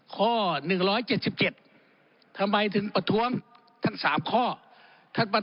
ครับครับครับครับครับครับครับครับครับครับครับครับครับครับครับ